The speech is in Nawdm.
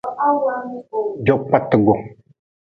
Jokpatgu.